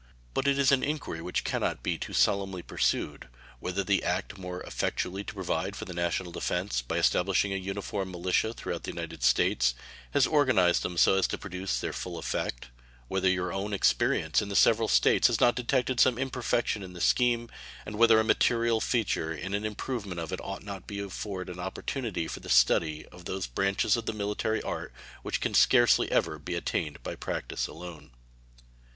But it is an inquiry which can not be too solemnly pursued, whether the act "more effectually to provide for the national defense by establishing an uniform militia throughout the United States" has organized them so as to produce their full effect; whether your own experience in the several States has not detected some imperfections in the scheme, and whether a material feature in an improvement of it ought not to be to afford an opportunity for the study of those branches of the military art which can scarcely ever be attained by practice alone.